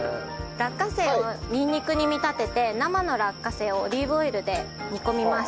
落花生をにんにくに見立てて生の落花生をオリーブオイルで煮込みます。